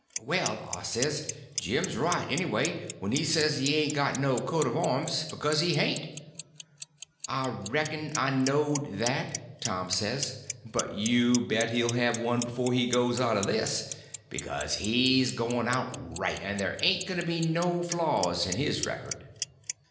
"Well," I says, "Jim's right, anyway, when he says he ain't got no coat of arms, because he hain't." "I reckon I knowed that," Tom says, "but you bet he'll have one before he goes out of this—because he's going out right, and there ain't going to be no flaws in his record."